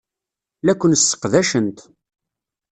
La ken-sseqdacent.